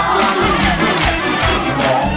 ร้องได้ให้ร้อง